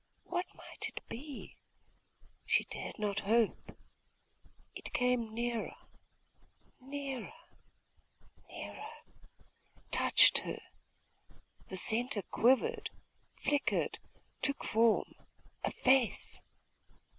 What might it be? She dared not hope.... It came nearer, nearer, nearer, touched her.... The centre quivered, flickered, took form a face.